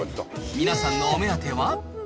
皆さんのお目当ては。